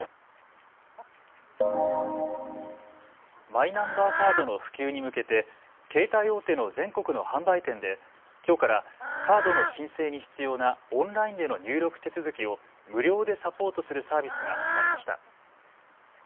マイナンバーカードの普及に向けて携帯大手の全国の販売店できょうからカードの申請に必要なオンラインでの入力手続きを無料でサポートするサービスが始まりました。